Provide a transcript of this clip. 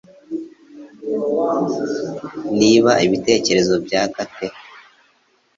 Niba ibitekerezo byaka pe